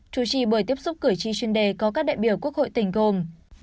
chủ trì buổi tiếp xúc cử tri chuyên đề có các đại biểu quốc hội tỉnh gồm